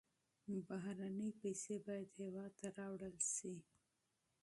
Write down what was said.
بهرنۍ پیسې باید هېواد ته راوړل شي.